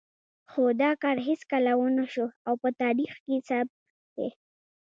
خو دا کار هېڅکله ونه شو او په تاریخ کې ثبت دی.